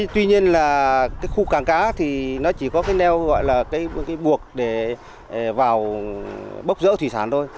tuy nhiên khu cảng cá chỉ có nheo buộc để bốc rỡ thủy sản thôi